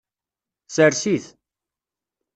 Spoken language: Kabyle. Sers-it.